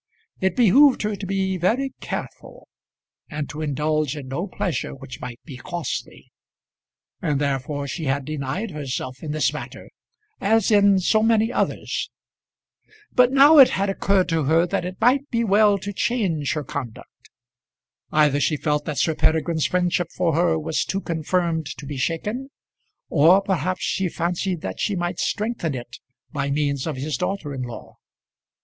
It behoved her to be very careful, and to indulge in no pleasure which might be costly; and therefore she had denied herself in this matter, as in so many others. But now it had occurred to her that it might be well to change her conduct. Either she felt that Sir Peregrine's friendship for her was too confirmed to be shaken, or perhaps she fancied that she might strengthen it by means of his daughter in law.